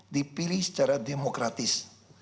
dipilih secara demokratis